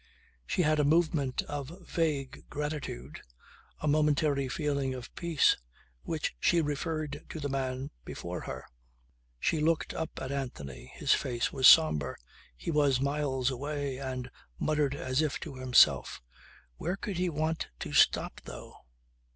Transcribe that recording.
She had a movement of vague gratitude, a momentary feeling of peace which she referred to the man before her. She looked up at Anthony. His face was sombre. He was miles away and muttered as if to himself: "Where could he want to stop though?"